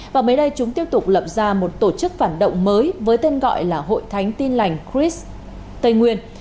và mới đây chúng tiếp tục lập ra một tổ chức phản động mới với tên gọi là hội thánh tin lành cris tây nguyên